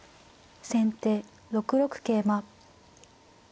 先手６六桂馬。